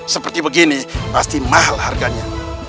seperti begini pasti mahal harganya